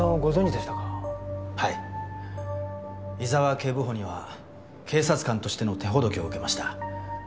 警部補には警察官としての手ほどきを受けました。